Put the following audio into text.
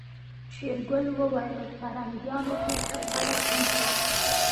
شېرګل وويل پرنګيانو کې ښه خلک هم شته.